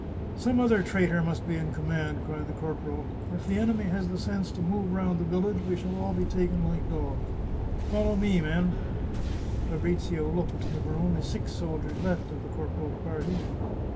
" Some other traitor must be in command !" cried the corporal. " If the enemy has the sense to move round the village we shall all be taken like dogs. Follow me, men 1 " Fabrizio looked; there were only six soldiers left of the corporal's party.